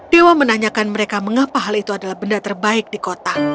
dewa menanyakan mereka mengapa hal itu adalah benda terbaik di kota